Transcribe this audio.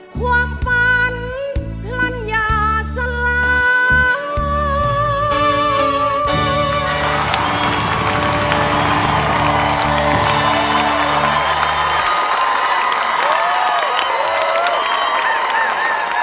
ความฝันพลัญญาสลา